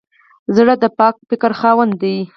زړه د پاک فکر خاوند دی.